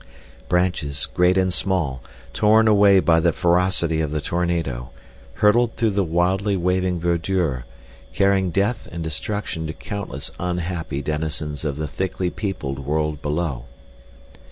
Branches, great and small, torn away by the ferocity of the tornado, hurtled through the wildly waving verdure, carrying death and destruction to countless unhappy denizens of the thickly peopled world below.